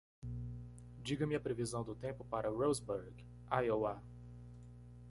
Diga-me a previsão do tempo para Roseburg? Iowa